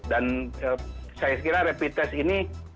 dan saya kira rapid test ini